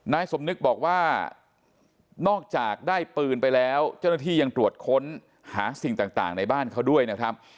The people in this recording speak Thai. สมนึกบอกว่านอกจากได้ปืนไปแล้วเจ้าหน้าที่ยังตรวจค้นหาสิ่งต่างในบ้านเขาด้วยนะครับ